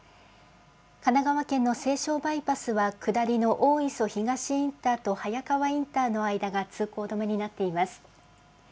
神奈川県の西湘バイパスは下りの大磯東インターと早川インターの間が通行止めになっています。